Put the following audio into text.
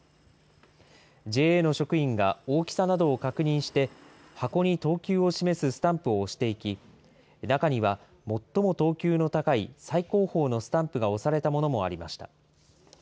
ＪＡの職員が大きさなどを確認して、箱に等級を示すスタンプを押していき、中には最も等級の高い最高峰のスタンプが押されたものもありました。